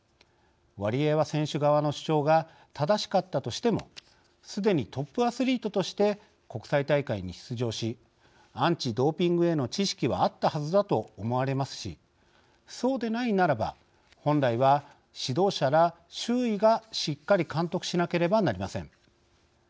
ワリエワ選手側の主張が正しかったとしてもすでにトップアスリートとして国際大会に出場しアンチドーピングへの知識はあったはずだと思われますしそうでないならば本来は指導者ら周囲が、しっかり監督しなければなりません。